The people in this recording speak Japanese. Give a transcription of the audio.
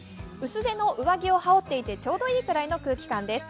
薄手の上着を羽織っていてちょうどいいくらいの空気感です。